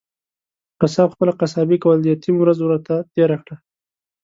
قصاب خپله قصابي کول ، يتيم ورځ ورته تيره کړه.